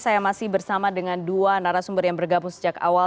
saya masih bersama dengan dua narasumber yang bergabung sejak awal